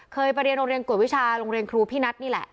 ไปเรียนโรงเรียนกวดวิชาโรงเรียนครูพี่นัทนี่แหละ